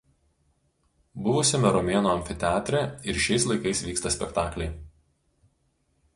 Buvusiame romėnų amfiteatre ir šiais laikais vyksta spektakliai.